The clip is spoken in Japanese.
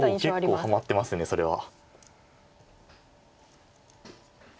結構はまってますねそれは。